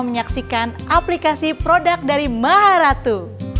menyaksikan aplikasi produk dari maharatu